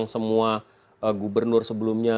semua gubernur sebelumnya